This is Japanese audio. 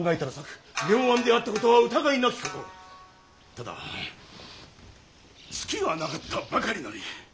ただツキがなかったばかりなり。